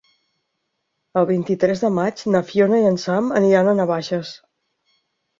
El vint-i-tres de maig na Fiona i en Sam aniran a Navaixes.